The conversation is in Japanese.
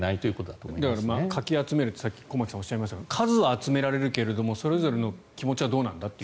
だから、かき集めるってさっき駒木さんが言いましたが数は集められるけどそれぞれの気持ちはどうなんだと。